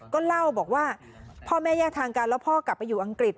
ก็เล่าบอกว่าพ่อแม่แยกทางกันแล้วพ่อกลับไปอยู่อังกฤษ